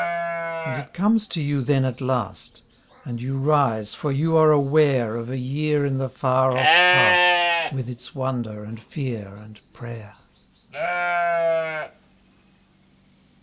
And it comes to you then at last — And you rise for you are aware Of a year in the far off past With its wonder and fear and prayer.